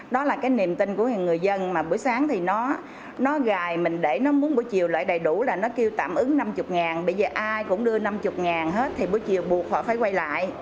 đó là cái niềm tin của người dân mà buổi sáng thì nó gài mình để nó muốn buổi chiều lại đầy đủ là nó kêu tạm ứng năm mươi ngàn bây giờ ai cũng đưa năm mươi hết thì buổi chiều buộc họ phải quay lại